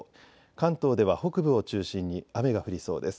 関東では北部を中心に雨が降りそうです。